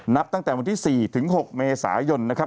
นับตั้งแต่วันที่๔ถึง๖เมษายนนะครับ